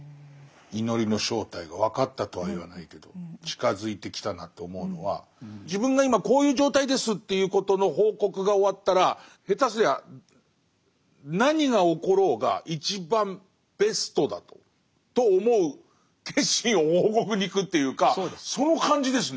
祈りの正体が分かったとは言わないけど近づいてきたなと思うのは自分が今こういう状態ですということの報告が終わったら下手すりゃ何が起ころうが一番ベストだと思う決心を報告に行くというかその感じですね。